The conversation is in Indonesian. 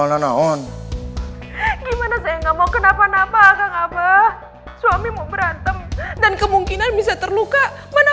eh gimana saya nggak mau kenapa napa akan apa suami mau berantem dan kemungkinan bisa terluka mana